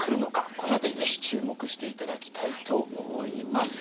この辺りぜひ注目して頂きたいと思います。